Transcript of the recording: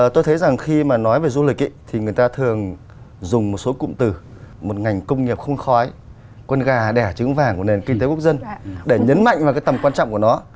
tôi thấy rằng khi mà nói về du lịch thì người ta thường dùng một số cụm từ một ngành công nghiệp không khói con gà đẻ trứng vàng của nền kinh tế quốc dân để nhấn mạnh vào cái tầm quan trọng của nó